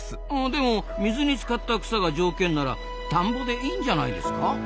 あでも水につかった草が条件なら田んぼでいいんじゃないですか？